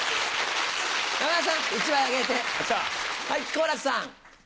好楽さん。